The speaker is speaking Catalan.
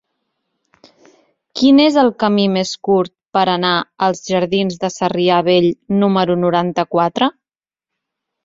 Quin és el camí més curt per anar als jardins de Sarrià Vell número noranta-quatre?